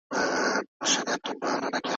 اقلیمي بدلون د ناروغۍ د زیاتوالي لامل دی.